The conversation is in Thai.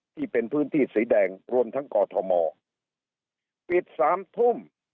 ที่เป็นพื้นที่สีแดงรวมทั้งกอทมปิดสามทุ่ม